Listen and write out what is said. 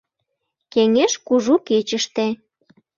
Кеҥеж кужу кечыште.